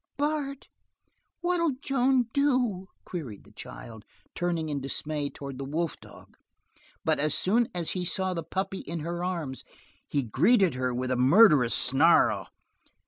"Bart, what'll Joan do?" queried the child, turning in dismay toward the wolf dog, but as soon as he saw the puppy in her arms, he greeted her with a murderous snarl.